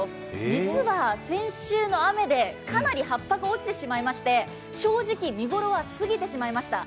実は、先週の雨でかなり葉っぱが落ちてしまいまして、正直、見頃は過ぎてしまいました。